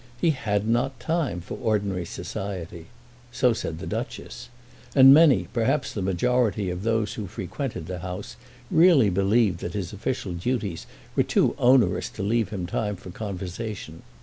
He had not time for ordinary society. So said the Duchess. And many, perhaps the majority of those who frequented the house, really believed that his official duties were too onerous to leave him time for conversation.